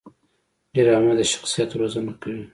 ډرامه د شخصیت روزنه کوي